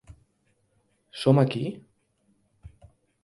Som aquí?